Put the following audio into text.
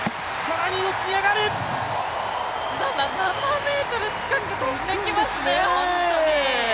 ７ｍ近く跳んできますね、本当に。